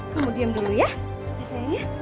kamu diam dulu ya sayang ya